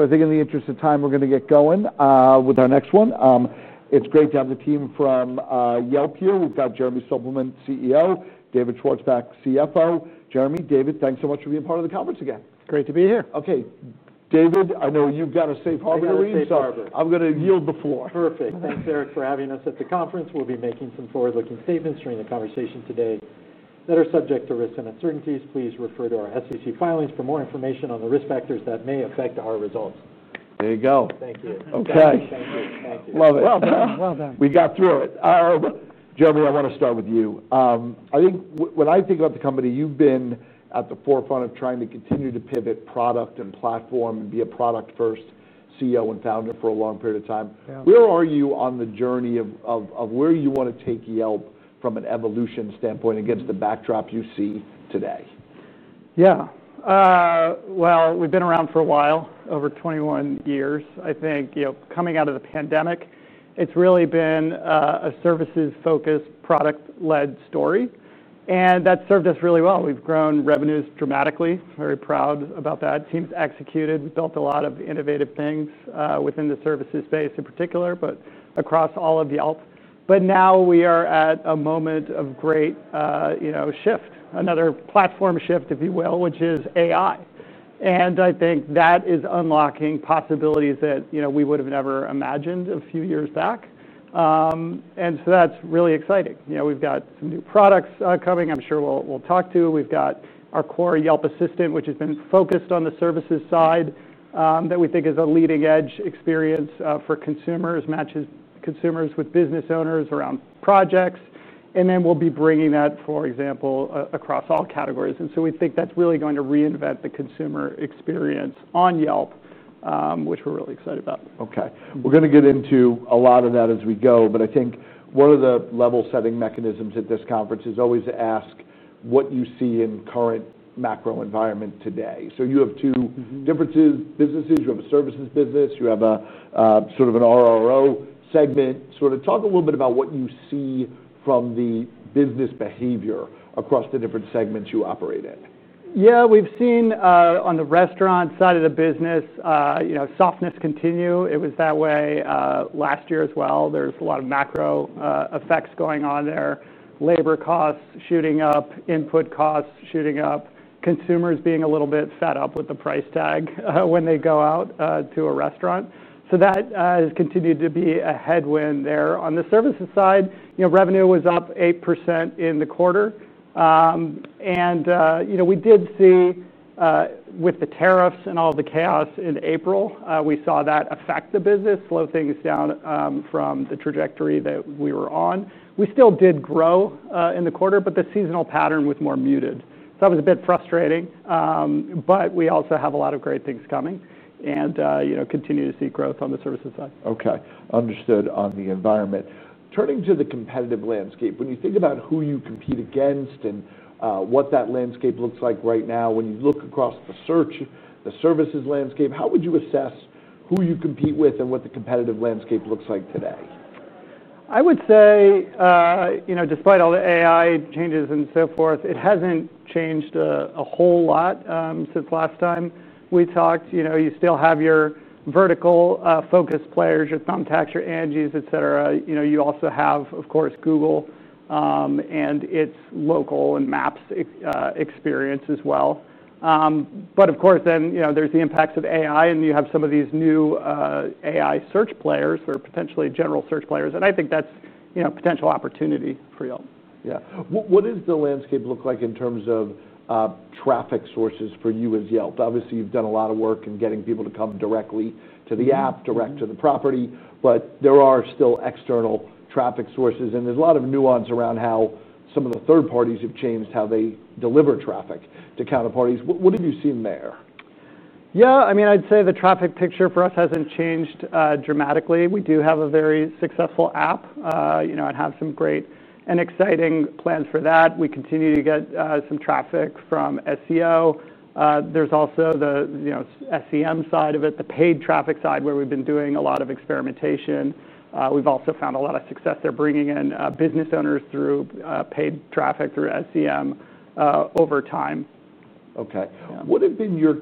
I think in the interest of time, we're going to get going with our next one. It's great to have the team from Yelp here. We've got Jeremy Stoppelman, CEO, and David Schwarzbach, CFO. Jeremy, David, thanks so much for being part of the conference again. Great to be here. Okay, David, I know you've got a safe harbor to leave, so I'm going to yield the floor. Perfect. Thanks, Eric, for having us at the conference. We'll be making some forward-looking statements during the conversation today that are subject to risk and uncertainties. Please refer to our SEC filings for more information on the risk factors that may affect our results. There you go. Thank you. Okay. Thank you. Love it. Well done. We got through it. Jeremy, I want to start with you. I think when I think about the company, you've been at the forefront of trying to continue to pivot product and platform and be a product-first CEO and founder for a long period of time. Where are you on the journey of where you want to take Yelp from an evolution standpoint against the backdrop you see today? Yeah. We've been around for a while, over 21 years. I think, you know, coming out of the pandemic, it's really been a services-focused, product-led story, and that's served us really well. We've grown revenues dramatically. We're very proud about that. Teams executed. We built a lot of innovative things within the services space in particular, but across all of Yelp. Now we are at a moment of great, you know, shift, another platform shift, if you will, which is AI. I think that is unlocking possibilities that, you know, we would have never imagined a few years back, and so that's really exciting. You know, we've got some new products coming I'm sure we'll talk to. We've got our core Yelp Assistant, which has been focused on the services side, that we think is a leading-edge experience for consumers, matches consumers with business owners around projects. We'll be bringing that, for example, across all categories. We think that's really going to reinvent the consumer experience on Yelp, which we're really excited about. Okay. We're going to get into a lot of that as we go, but I think one of the level-setting mechanisms at this conference is always to ask what you see in the current macro environment today. You have two different businesses. You have a services business. You have a sort of an RRO segment. Sort of talk a little bit about what you see from the business behavior across the different segments you operate in. Yeah, we've seen on the restaurant side of the business, you know, softness continue. It was that way last year as well. There's a lot of macro effects going on there. Labor costs shooting up, input costs shooting up, consumers being a little bit fed up with the price tag when they go out to a restaurant. That has continued to be a headwind there. On the services side, you know, revenue was up 8% in the quarter, and, you know, we did see, with the tariffs and all the chaos in April, we saw that affect the business, slow things down from the trajectory that we were on. We still did grow in the quarter, but the seasonal pattern was more muted. That was a bit frustrating, but we also have a lot of great things coming and, you know, continue to see growth on the services side. Okay. Understood on the environment. Turning to the competitive landscape, when you think about who you compete against and what that landscape looks like right now, when you look across the search, the services landscape, how would you assess who you compete with and what the competitive landscape looks like today? I would say, you know, despite all the AI changes and so forth, it hasn't changed a whole lot since last time we talked. You know, you still have your vertical, focused players, your Thumbtack, your Angi, et cetera. You know, you also have, of course, Google and its local and maps experience as well. Of course, then, you know, there's the impacts of AI and you have some of these new AI search players or potentially general search players. I think that's, you know, a potential opportunity for Yelp. Yeah. What does the landscape look like in terms of traffic sources for you as Yelp? Obviously, you've done a lot of work in getting people to come directly to the app, direct to the property, but there are still external traffic sources. There's a lot of nuance around how some of the third parties have changed how they deliver traffic to counterparties. What have you seen there? Yeah, I mean, I'd say the traffic picture for us hasn't changed dramatically. We do have a very successful app. You know, I'd have some great and exciting plans for that. We continue to get some traffic from SEO. There's also the SEM side of it, the paid traffic side where we've been doing a lot of experimentation. We've also found a lot of success there bringing in business owners through paid traffic through SEM over time. Okay. What have been your,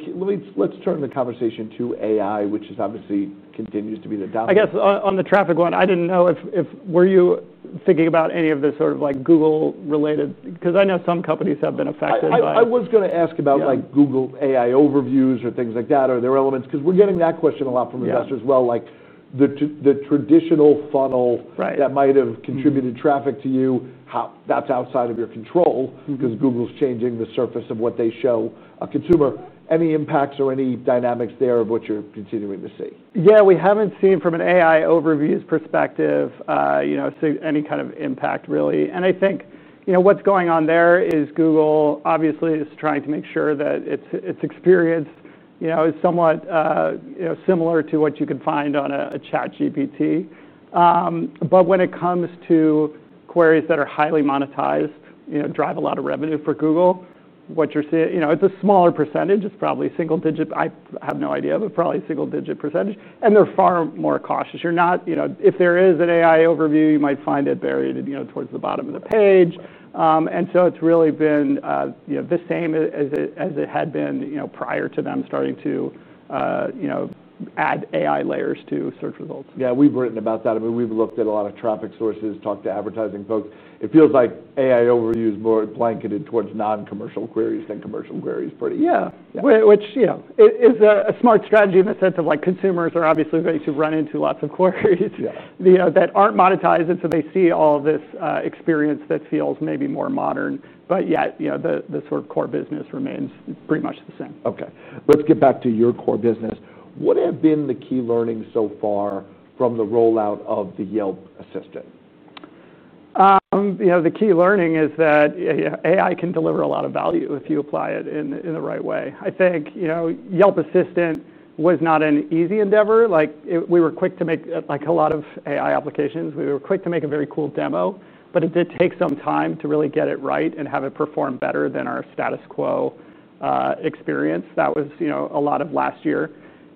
let's turn the conversation to AI, which obviously continues to be the. I guess on the traffic one, I didn't know if, were you thinking about any of the sort of like Google-related, because I know some companies have been affected. I was going to ask about Google AI overviews or things like that. Are there elements, because we're getting that question a lot from investors as well, like the traditional funnel that might have contributed traffic to you, how that's outside of your control because Google's changing the surface of what they show a consumer. Any impacts or any dynamics there of what you're continuing to see? Yeah, we haven't seen from an AI overviews perspective any kind of impact really. I think what's going on there is Google obviously is trying to make sure that its experience is somewhat similar to what you could find on a ChatGPT. When it comes to queries that are highly monetized, drive a lot of revenue for Google, what you're seeing is a smaller percentage. It's probably single-digit. I have no idea, but probably a single-digit percentage. They're far more cautious. If there is an AI overview, you might find it buried towards the bottom of the page. It's really been the same as it had been prior to them starting to add AI layers to search results. Yeah, we've written about that. I mean, we've looked at a lot of traffic sources, talked to advertising folks. It feels like AI overviews are more blanketed towards non-commercial queries than commercial queries, pretty much. Yeah, which is a smart strategy in the sense of like consumers are obviously those who've run into lots of queries that aren't monetized. They see all of this experience that feels maybe more modern, yet the sort of core business remains pretty much the same. Okay. Let's get back to your core business. What have been the key learnings so far from the rollout of the Yelp Assistant? The key learning is that AI can deliver a lot of value if you apply it in the right way. I think Yelp Assistant was not an easy endeavor. We were quick to make a lot of AI applications. We were quick to make a very cool demo, but it did take some time to really get it right and have it perform better than our status quo experience. That was a lot of last year.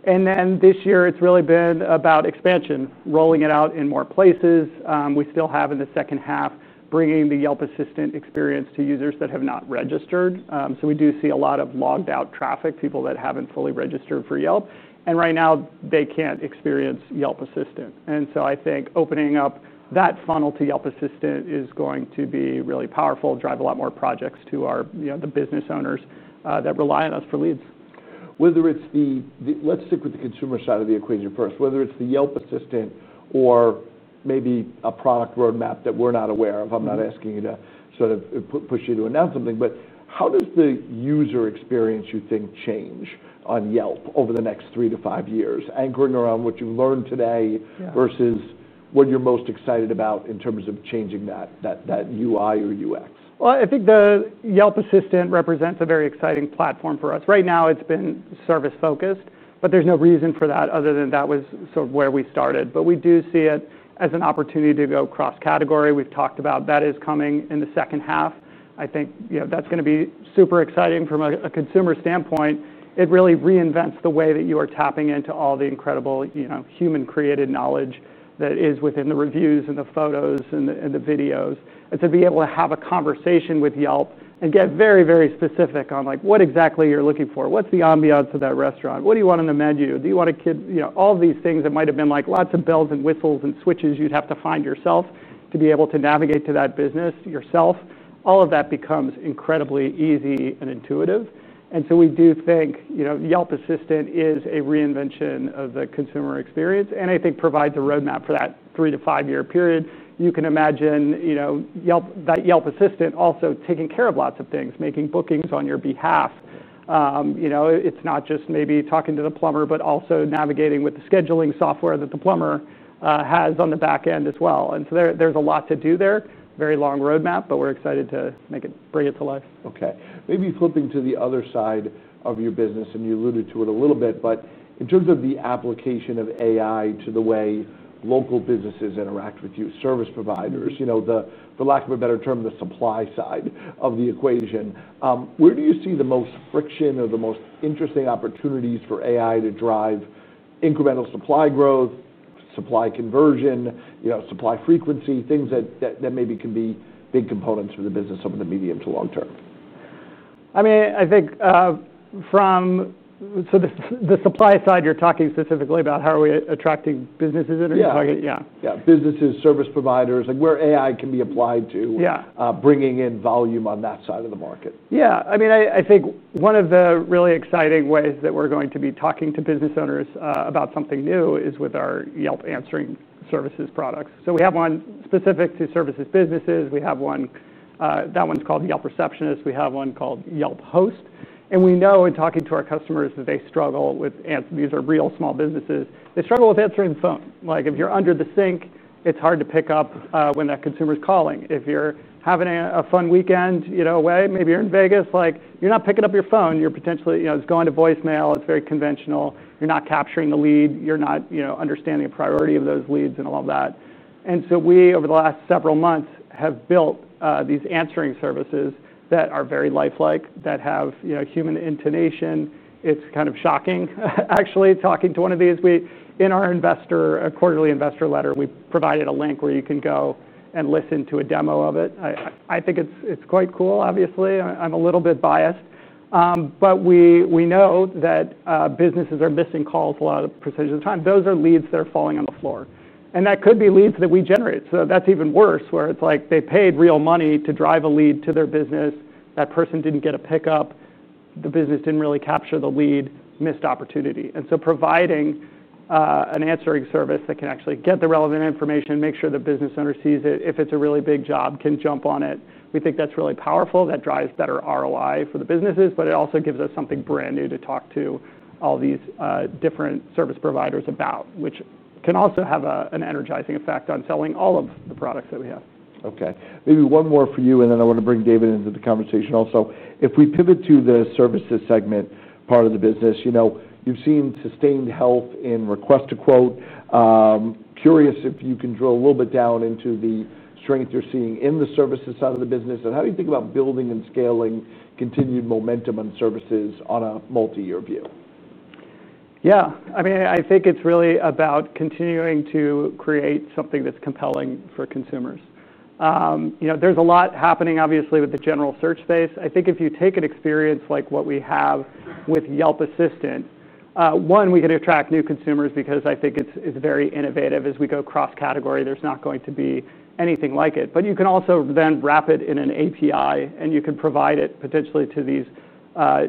This year, it's really been about expansion, rolling it out in more places. We still have, in the second half, bringing the Yelp Assistant experience to users that have not registered. We do see a lot of logged-out traffic, people that haven't fully registered for Yelp. Right now, they can't experience Yelp Assistant. I think opening up that funnel to Yelp Assistant is going to be really powerful, drive a lot more projects to the business owners that rely on us for leads. Whether it's the, let's stick with the consumer side of the equation first, whether it's the Yelp Assistant or maybe a product roadmap that we're not aware of. I'm not asking you to sort of push you to announce something, but how does the user experience you think change on Yelp over the next three to five years, anchored around what you've learned today versus what you're most excited about in terms of changing that UI or UX? I think the Yelp Assistant represents a very exciting platform for us. Right now, it's been service-focused, but there's no reason for that other than that was sort of where we started. We do see it as an opportunity to go cross-category. We've talked about that is coming in the second half. I think that's going to be super exciting from a consumer standpoint. It really reinvents the way that you are tapping into all the incredible, you know, human-created knowledge that is within the reviews and the photos and the videos. To be able to have a conversation with Yelp and get very, very specific on like what exactly you're looking for, what's the ambiance of that restaurant, what do you want on the menu, do you want a kid, you know, all of these things that might have been like lots of bells and whistles and switches you'd have to find yourself to be able to navigate to that business yourself, all of that becomes incredibly easy and intuitive. We do think Yelp Assistant is a reinvention of the consumer experience. I think it provides a roadmap for that three to five-year period. You can imagine that Yelp Assistant also taking care of lots of things, making bookings on your behalf. You know, it's not just maybe talking to the plumber, but also navigating with the scheduling software that the plumber has on the backend as well. There's a lot to do there, very long roadmap, but we're excited to make it bring it to life. Okay. Maybe flipping to the other side of your business, and you alluded to it a little bit, but in terms of the application of AI to the way local businesses interact with you, service providers, for lack of a better term, the supply side of the equation, where do you see the most friction or the most interesting opportunities for AI to drive incremental supply growth, supply conversion, supply frequency, things that maybe can be big components for the business over the medium to long term? I mean, I think from the supply side, you're talking specifically about how are we attracting businesses that are targeting? Yeah. Businesses, service providers, and where AI can be applied to, bringing in volume on that side of the market. Yeah. I mean, I think one of the really exciting ways that we're going to be talking to business owners about something new is with our Yelp answering services products. We have one specific to services businesses. We have one, that one's called Yelp Receptionist. We have one called Yelp Host. We know in talking to our customers that they struggle with, and these are real small businesses, they struggle with answering the phone. Like if you're under the sink, it's hard to pick up when that consumer's calling. If you're having a fun weekend, you know, away, maybe you're in Vegas, like you're not picking up your phone. You're potentially, you know, it's going to voicemail. It's very conventional. You're not capturing the lead. You're not, you know, understanding a priority of those leads and all of that. Over the last several months, we have built these answering services that are very lifelike, that have, you know, human intonation. It's kind of shocking, actually, talking to one of these. In our quarterly investor letter, we provided a link where you can go and listen to a demo of it. I think it's quite cool, obviously. I'm a little bit biased, but we know that businesses are missing calls a lot of the % of the time. Those are leads that are falling on the floor. That could be leads that we generate, so that's even worse, where it's like they paid real money to drive a lead to their business. That person didn't get a pickup. The business didn't really capture the lead, missed opportunity. Providing an answering service that can actually get the relevant information, make sure the business owner sees it, if it's a really big job, can jump on it. We think that's really powerful. That drives better ROI for the businesses, but it also gives us something brand new to talk to all these different service providers about, which can also have an energizing effect on selling all of the products that we have. Okay. Maybe one more for you, and then I want to bring David Schwarzbach into the conversation also. If we pivot to the services segment part of the business, you've seen sustained help in Request to Quote. Curious if you can drill a little bit down into the strength you're seeing in the services side of the business. How do you think about building and scaling continued momentum on services on a multi-year view? Yeah, I mean, I think it's really about continuing to create something that's compelling for consumers. You know, there's a lot happening, obviously, with the general search space. I think if you take an experience like what we have with Yelp Assistant, one, we can attract new consumers because I think it's very innovative. As we go cross-category, there's not going to be anything like it. You can also then wrap it in an API, and you can provide it potentially to these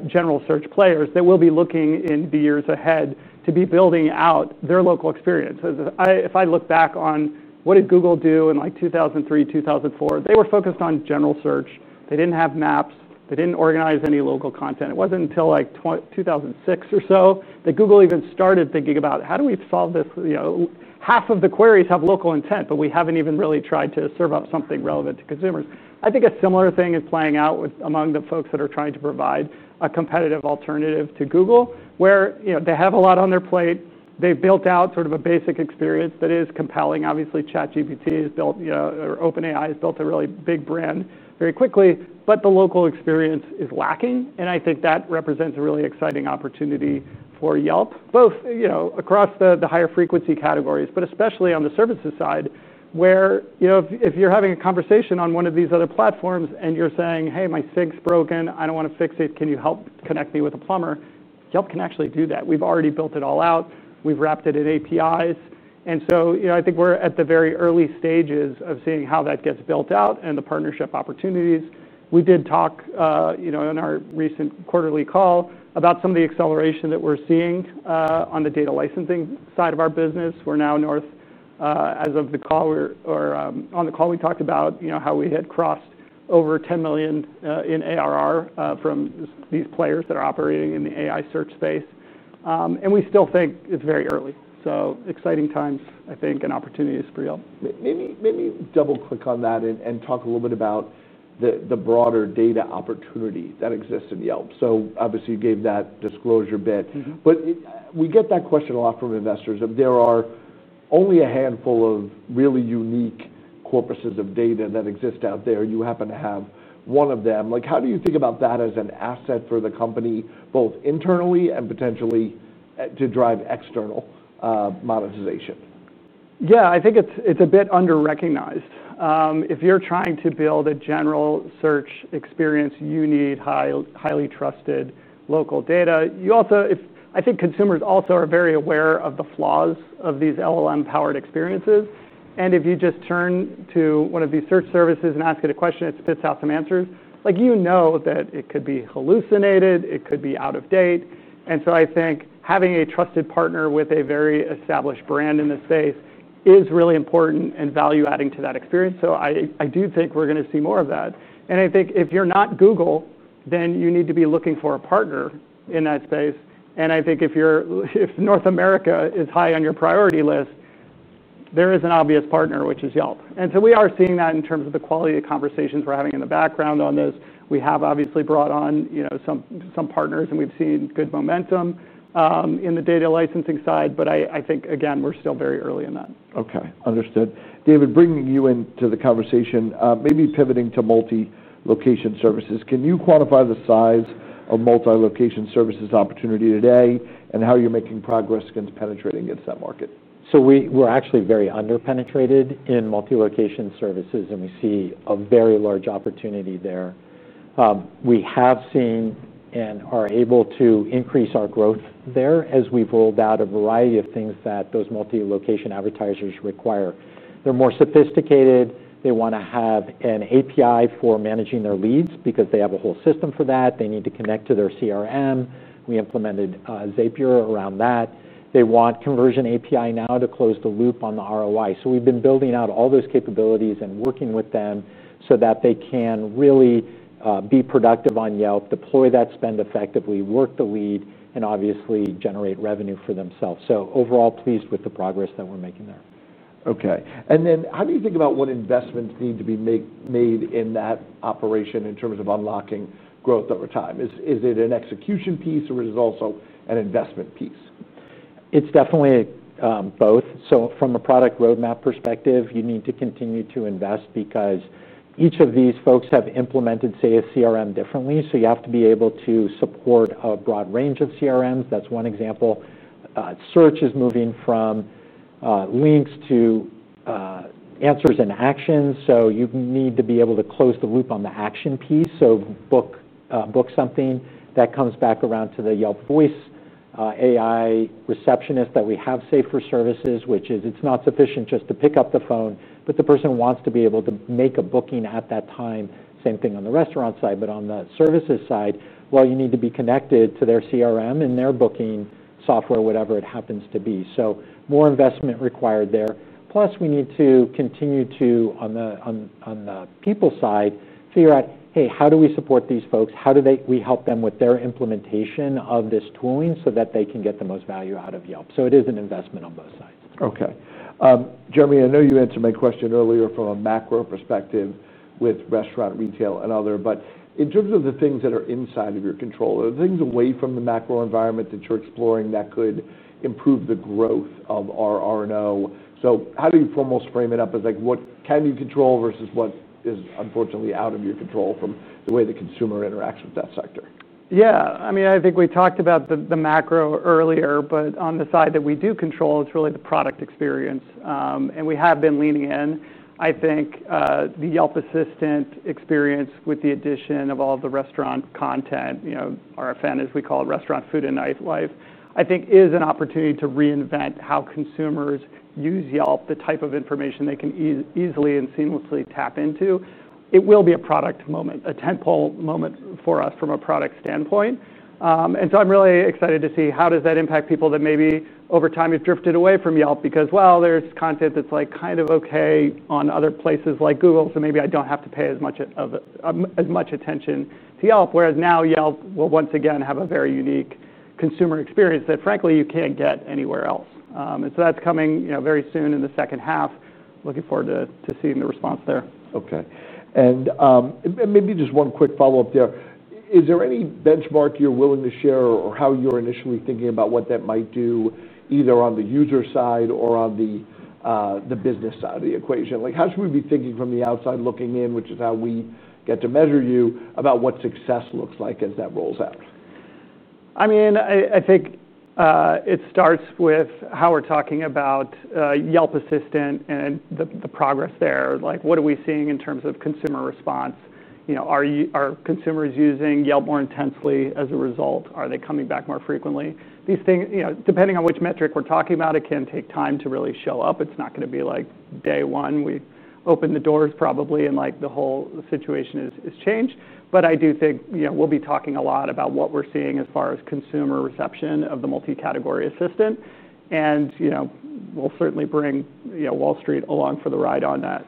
general search players that will be looking in the years ahead to be building out their local experience. If I look back on what did Google do in like 2003, 2004, they were focused on general search. They didn't have maps. They didn't organize any local content. It wasn't until like 2006 or so that Google even started thinking about how do we solve this, you know, half of the queries have local intent, but we haven't even really tried to serve up something relevant to consumers. I think a similar thing is playing out among the folks that are trying to provide a competitive alternative to Google, where they have a lot on their plate. They've built out sort of a basic experience that is compelling. Obviously, ChatGPT is built, you know, or OpenAI has built a really big brand very quickly, but the local experience is lacking. I think that represents a really exciting opportunity for Yelp, both across the higher frequency categories, but especially on the services side, where if you're having a conversation on one of these other platforms and you're saying, "Hey, my SIG's broken. I don't want to fix it. Can you help connect me with a plumber?" Yelp can actually do that. We've already built it all out. We've wrapped it in APIs. I think we're at the very early stages of seeing how that gets built out and the partnership opportunities. We did talk in our recent quarterly call about some of the acceleration that we're seeing on the data licensing side of our business. We're now north, as of the call, or, on the call, we talked about how we had crossed over $10 million in ARR from these players that are operating in the AI search space. We still think it's very early. Exciting times, I think, and opportunities for Yelp. Maybe double click on that and talk a little bit about the broader data opportunity that exists in Yelp. Obviously, you gave that disclosure bit, but we get that question a lot from investors. There are only a handful of really unique corpuses of data that exist out there, and you happen to have one of them. How do you think about that as an asset for the company, both internally and potentially to drive external monetization? Yeah, I think it's a bit underrecognized. If you're trying to build a general search experience, you need highly trusted local data. I think consumers also are very aware of the flaws of these LLM-powered experiences. If you just turn to one of these search services and ask it a question, it spits out some answers. You know that it could be hallucinated. It could be out of date. I think having a trusted partner with a very established brand in this space is really important and value-adding to that experience. I do think we're going to see more of that. I think if you're not Google, then you need to be looking for a partner in that space. If North America is high on your priority list, there is an obvious partner, which is Yelp. We are seeing that in terms of the quality of conversations we're having in the background on this. We have obviously brought on some partners, and we've seen good momentum in the data licensing side. I think, again, we're still very early in that. Okay. Understood. David, bringing you into the conversation, maybe pivoting to multi-location services. Can you quantify the size of multi-location services opportunity today, and how you're making progress against penetrating against that market? We're actually very underpenetrated in multi-location services, and we see a very large opportunity there. We have seen and are able to increase our growth there as we've rolled out a variety of things that those multi-location advertisers require. They're more sophisticated. They want to have an API for managing their leads because they have a whole system for that. They need to connect to their CRM. We implemented Zapier around that. They want a conversion API now to close the loop on the ROI. We've been building out all those capabilities and working with them so that they can really be productive on Yelp, deploy that spend effectively, work the lead, and obviously generate revenue for themselves. Overall, pleased with the progress that we're making there. Okay. How do you think about what investments need to be made in that operation in terms of unlocking growth over time? Is it an execution piece or is it also an investment piece? It's definitely both. From a product roadmap perspective, you need to continue to invest because each of these folks have implemented, say, a CRM differently. You have to be able to support a broad range of CRMs. That's one example. Search is moving from links to answers and actions. You need to be able to close the loop on the action piece. Book something that comes back around to the Yelp voice, AI receptionist that we have saved for services, which is it's not sufficient just to pick up the phone, but the person wants to be able to make a booking at that time. The same thing on the restaurant side, but on the services side, you need to be connected to their CRM and their booking software, whatever it happens to be. More investment required there. Plus, we need to continue to, on the people side, figure out, hey, how do we support these folks? How do we help them with their implementation of this tooling so that they can get the most value out of Yelp? It is an investment on both sides. Okay. Jeremy, I know you answered my question earlier from a macro perspective with restaurant, retail, and other, but in terms of the things that are inside of your control, are there things away from the macro environment that you're exploring that could improve the growth of our RNO? How do you almost frame it up as like what can you control versus what is unfortunately out of your control from the way the consumer interacts with that sector? Yeah, I mean, I think we talked about the macro earlier, but on the side that we do control, it's really the product experience. We have been leaning in. I think the Yelp Assistant experience with the addition of all of the restaurant content, you know, RFN, as we call it, restaurant food and nightlife, I think is an opportunity to reinvent how consumers use Yelp, the type of information they can easily and seamlessly tap into. It will be a product moment, a tentpole moment for us from a product standpoint. I'm really excited to see how does that impact people that maybe over time have drifted away from Yelp because, well, there's content that's like kind of okay on other places like Google. Maybe I don't have to pay as much attention to Yelp, whereas now Yelp will once again have a very unique consumer experience that frankly you can't get anywhere else. That's coming very soon in the second half. Looking forward to seeing the response there. Okay. Maybe just one quick follow-up there. Is there any benchmark you're willing to share or how you're initially thinking about what that might do either on the user side or on the business side of the equation? How should we be thinking from the outside looking in, which is how we get to measure you, about what success looks like as that rolls out? I mean, I think it starts with how we're talking about Yelp Assistant and the progress there. Like what are we seeing in terms of consumer response? You know, are consumers using Yelp more intensely as a result? Are they coming back more frequently? These things, depending on which metric we're talking about, it can take time to really show up. It's not going to be like day one we open the doors probably and the whole situation has changed. I do think we'll be talking a lot about what we're seeing as far as consumer reception of the multi-category assistant. We'll certainly bring Wall Street along for the ride on that.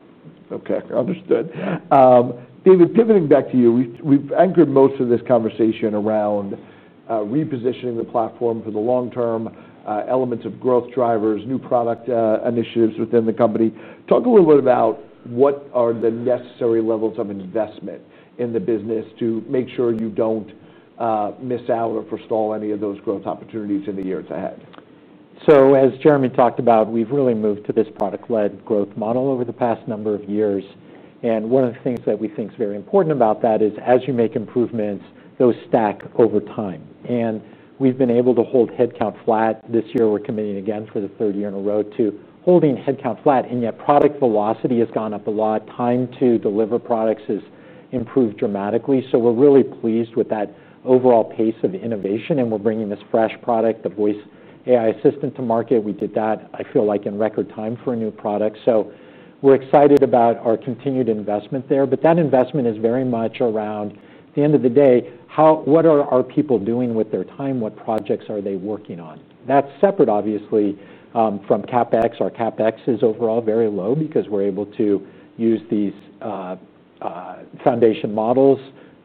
Okay. Understood. David, pivoting back to you, we've anchored most of this conversation around repositioning the platform for the long term, elements of growth drivers, new product initiatives within the company. Talk a little bit about what are the necessary levels of investment in the business to make sure you don't miss out or forestall any of those growth opportunities in the years ahead. As Jeremy talked about, we've really moved to this product-led growth model over the past number of years. One of the things that we think is very important about that is as you make improvements, those stack over time. We've been able to hold headcount flat. This year, we're committing again for the third year in a row to holding headcount flat, yet product velocity has gone up a lot. Time to deliver products has improved dramatically. We're really pleased with that overall pace of innovation. We're bringing this fresh product, the voice AI assistant, to market. We did that, I feel like, in record time for a new product. We're excited about our continued investment there. That investment is very much around, at the end of the day, what are our people doing with their time? What projects are they working on? That's separate, obviously, from CapEx. Our CapEx is overall very low because we're able to use these foundation models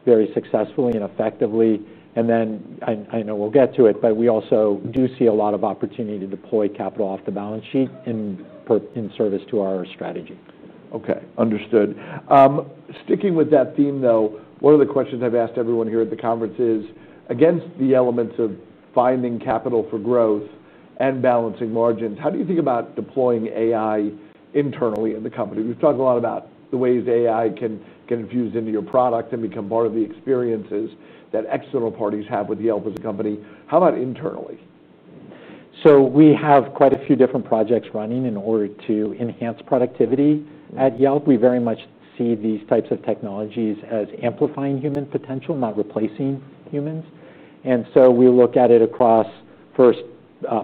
very successfully and effectively. I know we'll get to it, but we also do see a lot of opportunity to deploy capital off the balance sheet in service to our strategy. Okay. Understood. Sticking with that theme though, one of the questions I've asked everyone here at the conference is, against the elements of finding capital for growth and balancing margins, how do you think about deploying AI internally in the company? We've talked a lot about the ways AI can infuse into your product and become part of the experiences that external parties have with Yelp as a company. How about internally? We have quite a few different projects running in order to enhance productivity at Yelp. We very much see these types of technologies as amplifying human potential, not replacing humans. We look at it across, first,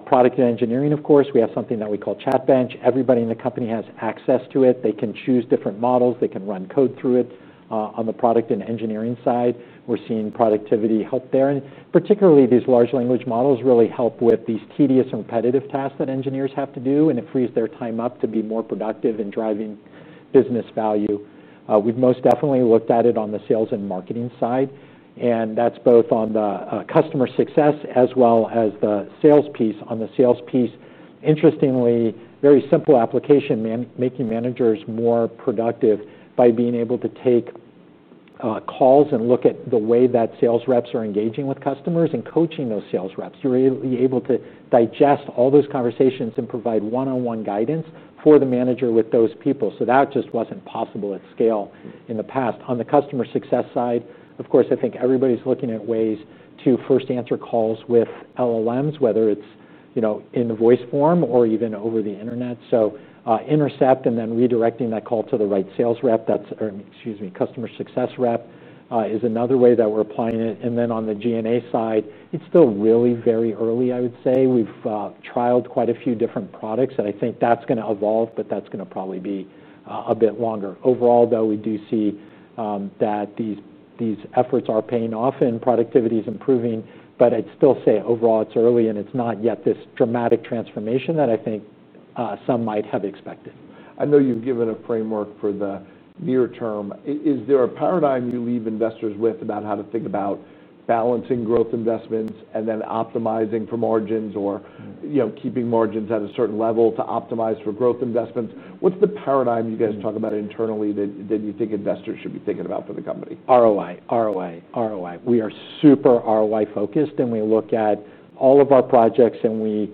product and engineering, of course. We have something that we call ChatBench. Everybody in the company has access to it. They can choose different models. They can run code through it on the product and engineering side. We're seeing productivity help there. Particularly, these large language models really help with these tedious and repetitive tasks that engineers have to do. It frees their time up to be more productive in driving business value. We've most definitely looked at it on the sales and marketing side. That's both on the customer success as well as the sales piece. On the sales piece, interestingly, very simple application, making managers more productive by being able to take calls and look at the way that sales reps are engaging with customers and coaching those sales reps. You're able to digest all those conversations and provide one-on-one guidance for the manager with those people. That just wasn't possible at scale in the past. On the customer success side, of course, I think everybody's looking at ways to first answer calls with LLMs, whether it's, you know, in the voice form or even over the internet. Intercept and then redirecting that call to the right sales rep, that's, or excuse me, customer success rep, is another way that we're applying it. On the G&A side, it's still really very early, I would say. We've trialed quite a few different products, and I think that's going to evolve, but that's going to probably be a bit longer. Overall, though, we do see that these efforts are paying off and productivity is improving. I'd still say overall it's early and it's not yet this dramatic transformation that I think some might have expected. I know you've given a framework for the near term. Is there a paradigm you leave investors with about how to think about balancing growth investments and then optimizing for margins, or keeping margins at a certain level to optimize for growth investments? What's the paradigm you guys talk about internally that you think investors should be thinking about for the company? ROI, ROI, ROI. We are super ROI-focused, and we look at all of our projects, and we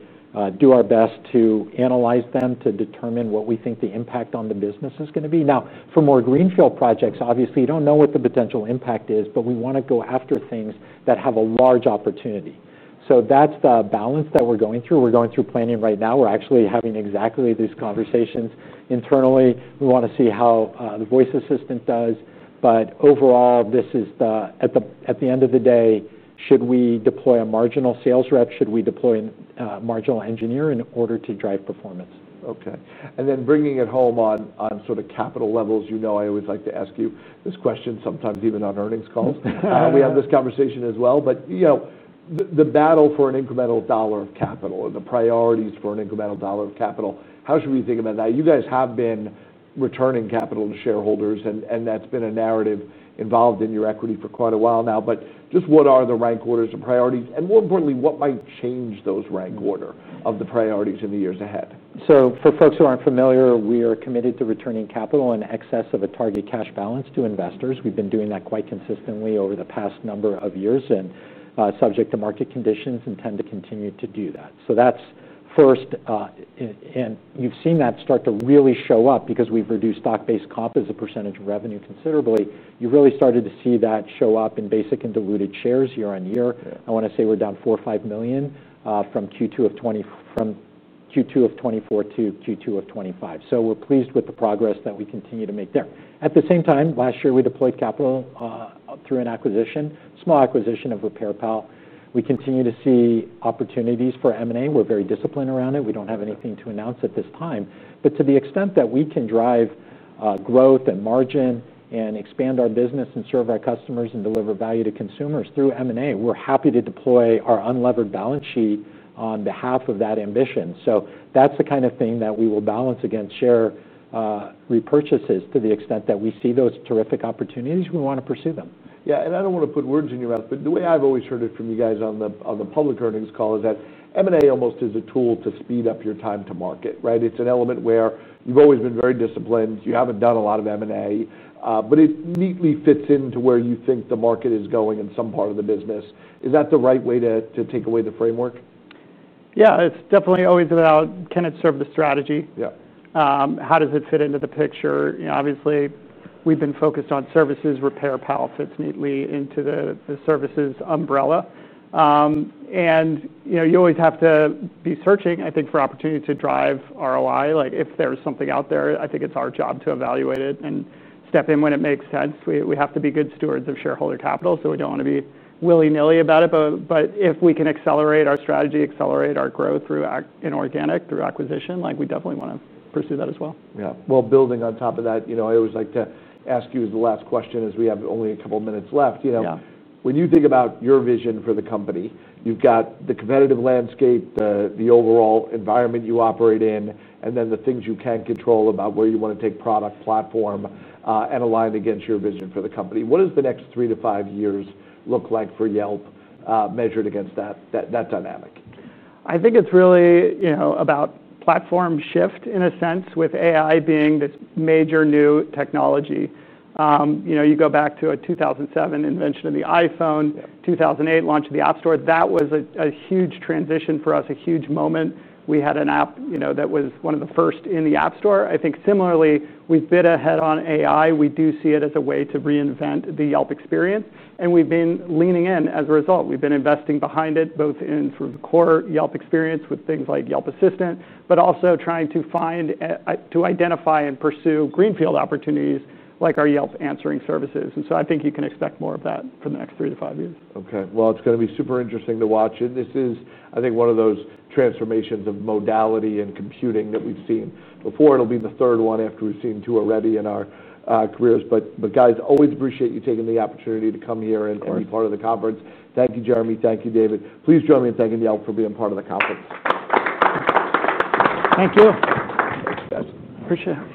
do our best to analyze them to determine what we think the impact on the business is going to be. For more greenfield projects, obviously, you don't know what the potential impact is, but we want to go after things that have a large opportunity. That's the balance that we're going through. We're going through planning right now. We're actually having exactly these conversations internally. We want to see how the voice assistant does. Overall, this is, at the end of the day, should we deploy a marginal sales rep? Should we deploy a marginal engineer in order to drive performance? Okay. Bringing it home on sort of capital levels, I always like to ask you this question sometimes, even on earnings calls. We have this conversation as well, but the battle for an incremental dollar of capital and the priorities for an incremental dollar of capital, how should we think about that? You guys have been returning capital to shareholders, and that's been a narrative involved in your equity for quite a while now. What are the rank orders of priorities? More importantly, what might change those rank orders of the priorities in the years ahead? For folks who aren't familiar, we are committed to returning capital in excess of a target cash balance to investors. We've been doing that quite consistently over the past number of years, and subject to market conditions, intend to continue to do that. That's first. You've seen that start to really show up because we've reduced stock-based comp as a % of revenue considerably. You really started to see that show up in basic and diluted shares year on year. I want to say we're down four or five million from Q2 of 2024 to Q2 of 2025. We're pleased with the progress that we continue to make there. At the same time, last year we deployed capital through an acquisition, small acquisition of RepairPal. We continue to see opportunities for M&A. We're very disciplined around it. We don't have anything to announce at this time. To the extent that we can drive growth and margin and expand our business and serve our customers and deliver value to consumers through M&A, we're happy to deploy our unlevered balance sheet on behalf of that ambition. That's the kind of thing that we will balance against share repurchases to the extent that we see those terrific opportunities. We want to pursue them. Yeah, I don't want to put words in your mouth, but the way I've always heard it from you guys on the public earnings call is that M&A almost is a tool to speed up your time to market, right? It's an element where you've always been very disciplined. You haven't done a lot of M&A, but it neatly fits into where you think the market is going in some part of the business. Is that the right way to take away the framework? Yeah, it's definitely always about can it serve the strategy? Yeah, how does it fit into the picture? You know, obviously, we've been focused on services. RepairPal fits neatly into the services umbrella, and you know, you always have to be searching, I think, for opportunities to drive ROI. Like if there's something out there, I think it's our job to evaluate it and step in when it makes sense. We have to be good stewards of shareholder capital, so we don't want to be willy-nilly about it. If we can accelerate our strategy, accelerate our growth through an organic acquisition, like we definitely want to pursue that as well. Yeah. Building on top of that, you know, I always like to ask you as the last question as we have only a couple of minutes left. You know, when you think about your vision for the company, you've got the competitive landscape, the overall environment you operate in, and then the things you can control about where you want to take product platform and align against your vision for the company. What does the next three to five years look like for Yelp measured against that dynamic? I think it's really about platform shift in a sense, with AI being this major new technology. You go back to a 2007 invention of the iPhone, 2008 launch of the App Store. That was a huge transition for us, a huge moment. We had an app that was one of the first in the App Store. I think similarly, we've bet ahead on AI. We do see it as a way to reinvent the Yelp experience. We've been leaning in as a result. We've been investing behind it, both in the core Yelp experience with things like Yelp Assistant, but also trying to find, to identify and pursue greenfield opportunities like our AI-powered call answering services. I think you can expect more of that for the next three to five years. Okay. It's going to be super interesting to watch. This is, I think, one of those transformations of modality and computing that we've seen before. It'll be the third one after we've seen two already in our careers. Guys, always appreciate you taking the opportunity to come here and be part of the conference. Thank you, Jeremy. Thank you, David. Please join me in thanking Yelp for being part of the conference. Thank you. Appreciate it.